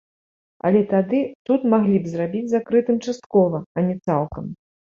Але тады суд маглі б зрабіць закрытым часткова, а не цалкам.